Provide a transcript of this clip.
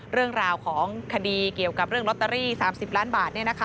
เรื่องราวของคดีเกี่ยวกับเรื่องลอตเตอรี่๓๐ล้านบาท